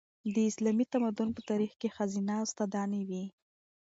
د اسلامي تمدن په تاریخ کې ښځینه استادانې وې.